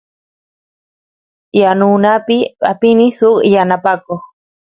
yanunapi apini suk yanapakoq